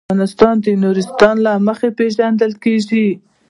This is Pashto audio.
افغانستان د نورستان له مخې پېژندل کېږي.